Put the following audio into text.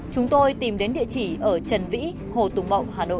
chúng tôi tìm đến địa chỉ ở trần vĩ hồ tùng bậu hà nội